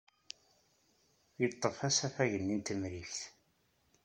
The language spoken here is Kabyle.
Yeḍḍef asafag-nni n Temrikt.